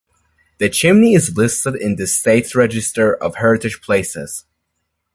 The chimney is listed in the State Register of Heritage Places.